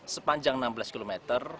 sepanjang enam belas km